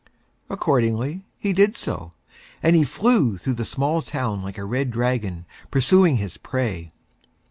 Accordingly, he did So, and he Flew through the Small Town like a Red Dragon Pursuing his Prey.